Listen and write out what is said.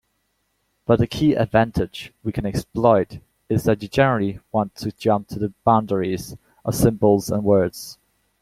But the key advantage we can exploit is that you generally want to jump to the boundaries of symbols and words.